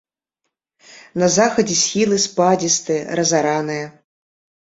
На захадзе схілы спадзістыя, разараныя.